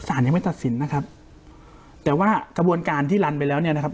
ยังไม่ตัดสินนะครับแต่ว่ากระบวนการที่ลันไปแล้วเนี่ยนะครับ